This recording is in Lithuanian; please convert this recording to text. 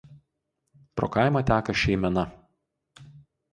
Pro kaimą teka Šeimena.